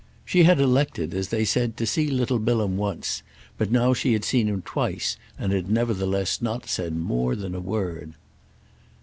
She had elected, as they said, to see little Bilham once; but now she had seen him twice and had nevertheless not said more than a word.